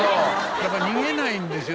だから逃げないんですよ。